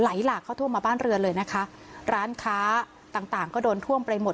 หลากเข้าท่วมมาบ้านเรือนเลยนะคะร้านค้าต่างต่างก็โดนท่วมไปหมด